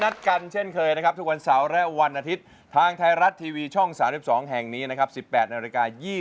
สนุนโดยอีซูซูดีแม็กซูดีแม็กซูดีแม็กซู